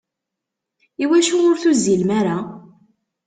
Iwacu ur tuzzilem ara?